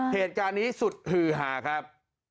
เหตุการณ์นี้สุดหือหาครับ